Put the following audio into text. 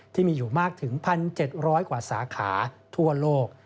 ที่มีอยู่มากถึง๑๗๐๐กว่าสาขาทั่วโลก